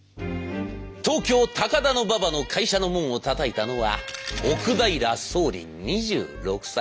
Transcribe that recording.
東京高田馬場の会社の門をたたいたのは奥平壮臨２６歳。